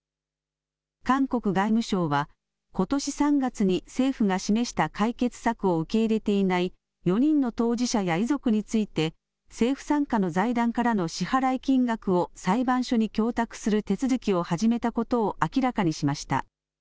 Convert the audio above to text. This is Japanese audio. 韓国外務省は、ことし３月に政府が示した解決策を受け入れていない４人の当事者や遺族について、政府傘下の財団からの支払い金額を裁判所に供託する手続きを始めたことを明らかにしました。